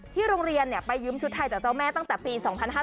โรงเรียนไปยืมชุดไทยจากเจ้าแม่ตั้งแต่ปี๒๕๕๙